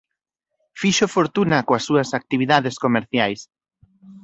Fixo fortuna coas súas actividades comerciais.